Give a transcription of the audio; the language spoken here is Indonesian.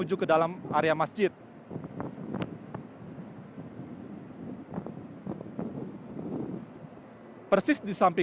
jemaah yang berjalan